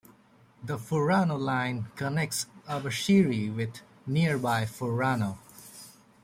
The Furano Line connects Abashiri with nearby Furano.